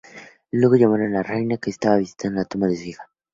Luego llamaron a la Reina, que estaba visitando la tumba de su hija.